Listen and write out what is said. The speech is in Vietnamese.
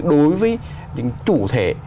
đối với những chủ thể